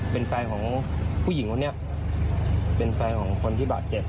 เป็นแฟนของผู้หญิงคนนี้เป็นแฟนของคนที่บาดเจ็บ